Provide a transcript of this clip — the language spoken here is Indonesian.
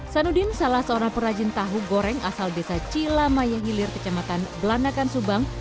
sanudin salah seorang perajin tahu goreng asal desa cilamaya hilir kecamatan belanakan subang